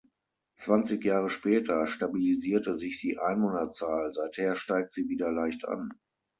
Zwanzig Jahre später stabilisierte sich die Einwohnerzahl, seither steigt sie wieder leicht an.